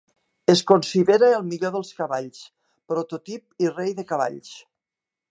Es considera el millor dels cavalls, prototip i rei de cavalls.